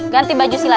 ganti baju silat